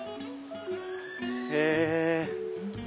へぇ！